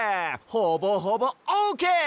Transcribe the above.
ほぼほぼオーケー！